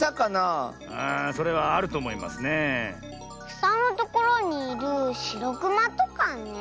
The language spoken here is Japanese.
くさのところにいるしろくまとかね。